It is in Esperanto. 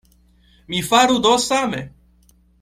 Mi faru do same!